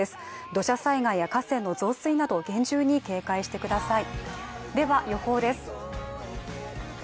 土砂災害や河川の増水など厳重に警戒してください。